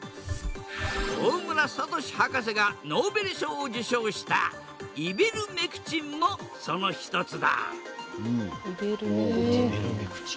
大村智博士がノーベル賞を受賞したイベルメクチンもその一つだへえ。